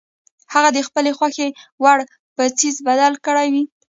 هغه یې د خپلې خوښې وړ په څیز بدل کړی وي.